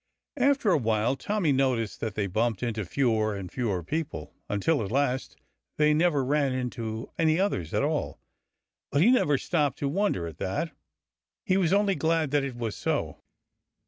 After a while Tommy noticed that they bumped into fewer and fewer people, until at last they never ran into any others at all. But he never stopped to wonder at that. He was only glad that it was so.